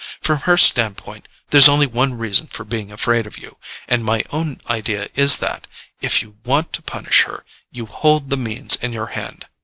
From her standpoint there's only one reason for being afraid of you; and my own idea is that, if you want to punish her, you hold the means in your hand.